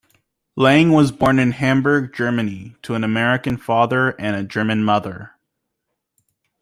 Lange was born in Hamburg, Germany to an American father and a German mother.